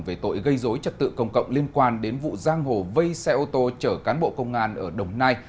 về tội gây dối trật tự công cộng liên quan đến vụ giang hồ vây xe ô tô chở cán bộ công an ở đồng nai